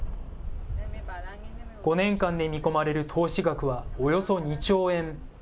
５年間で見込まれる投資額はおよそ２兆円。